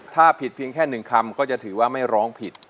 ถ้าผิดเพียงแค่๑คำก็จะถือว่าไม่ร้องผิด